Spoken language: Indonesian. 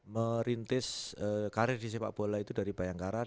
merintis karir di sepak bola itu dari bayangkara